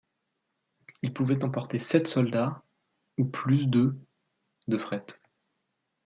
Il pouvait emporter sept soldats ou plus de de fret.